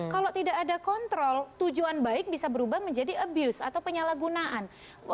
kalau tidak ada kontrol tujuan baik bisa berubah menjadi abuse atau penyalahgunaan